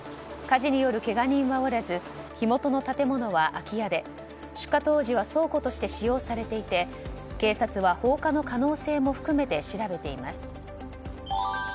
火事によるけが人はおらず火元の建物は空き家で出火当時は倉庫として使用されていて警察は放火の可能性も含めて調べています。